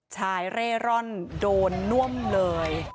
ชายเร่ร่อนโดนน่วมเลย